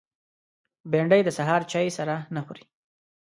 بېنډۍ د سهار چای سره نه خوري